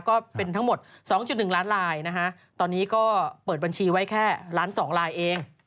ก็เป็นทั้งหมด๒๑ล้านลายนะฮะตอนนี้ก็เปิดบัญชีไว้แค่ล้าน๒ลายเอง